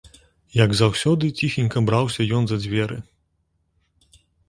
Як заўсёды, ціхенька браўся ён за дзверы.